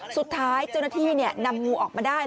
สุดท้ายเจ้าหน้าที่นำงูออกมาได้